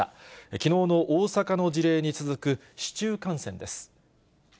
きのうの大阪の事例に続く市中感染です。